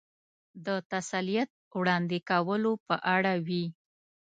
د تسلیت وړاندې کولو په اړه وې.